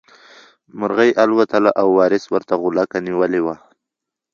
مرغۍ الوتله او وارث ورته غولکه نیولې وه.